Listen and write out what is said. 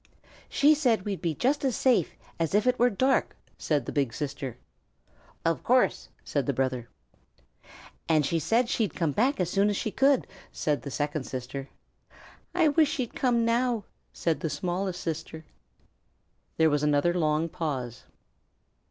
"She said we'd be just as safe as if it were dark," said the big sister. "Of course," said the brother. "And she said she'd come back as soon as she could," said the second sister. "I wish she'd come now," said the smallest sister. There was another long pause.